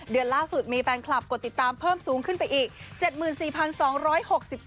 เดือนล่าสุดมีแฟนคลับกดติดตามเพิ่มสูงขึ้นไปอีก๗๔๒๖๒